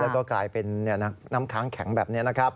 แล้วก็กลายเป็นน้ำค้างแข็งแบบนี้นะครับ